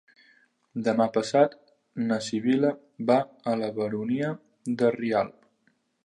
Demà passat na Sibil·la va a la Baronia de Rialb.